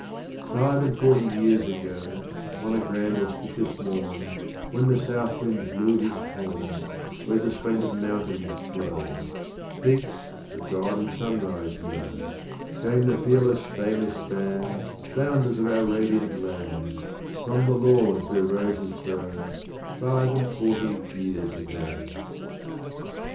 Five and forty years ago, On a grand auspicious morn When the South Wind blew his horn, Where the splendid mountains glow Peaks that God and Sunrise know Came the fearless, famous band, Founders of our radiant land, From the lawns where roses grow, Five and forty years ago.